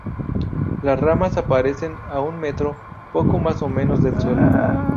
Las ramas aparecen a un metro, poco más o menos, del suelo.